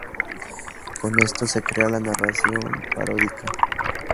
Con esto se crea la narración paródica.